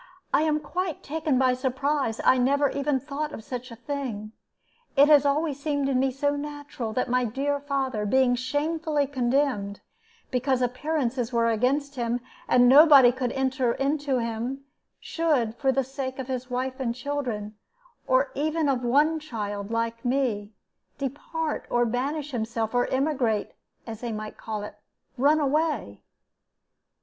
"I am quite taken by surprise; I never even thought of such a thing. It has always seemed to me so natural that my dear father, being shamefully condemned, because appearances were against him, and nobody could enter into him, should, for the sake of his wife and children, or even of one child like me, depart or banish himself, or emigrate, or, as they might call it, run away.